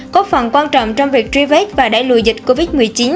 có phần quan trọng trong việc truy vết và đẩy lùi dịch covid một mươi chín